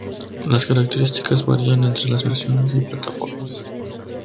Las características varían entre las versiones y plataformas.